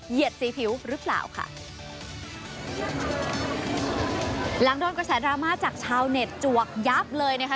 สีผิวหรือเปล่าค่ะหลังโดนกระแสดราม่าจากชาวเน็ตจวกยับเลยนะคะ